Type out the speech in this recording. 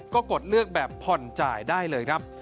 ก็กดเลือกแบบผ่อนจ่ายได้เลยครับ